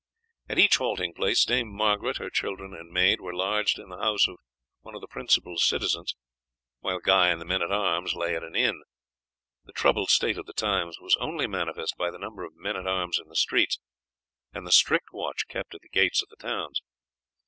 At each halting place Dame Margaret, her children and maid, were lodged in the house of one of the principal citizens, while Guy and the men at arms lay at an inn. The troubled state of the times was only manifest by the number of men at arms in the streets, and the strict watch kept at the gates of the towns.